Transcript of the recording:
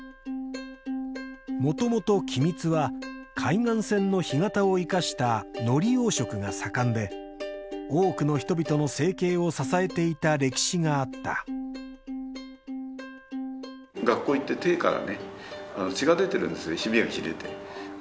もともと君津は海岸線の干潟を生かした海苔養殖が盛んで多くの人々の生計を支えていた歴史があった学校行って手からね血が出てるんですよ